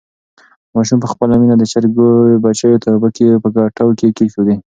ماشوم په خپله مینه د چرګې بچیو ته اوبه په کټو کې کېښودې.